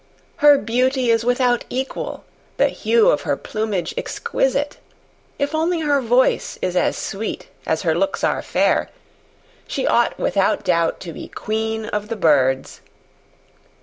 Her beauty is without equal, the hue of her plumage exquisite. If only her voice is as sweet as her looks are fair, she ought without doubt to be Queen of the Birds."